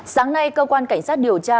sáng nay cơ quan cảnh sát điều tra